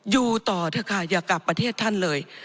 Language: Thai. อยู่ต่อเถอะค่ะอย่ากลับประเทศท่านเลย